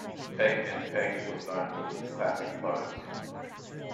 Peck and Peck was known for its classic clothes.